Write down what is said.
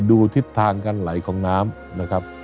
ดูทิศทางกันไหลของน้ำ